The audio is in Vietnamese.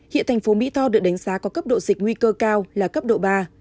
hiện thành phố mỹ tho được đánh giá có cấp độ dịch nguy cơ cao là cấp độ ba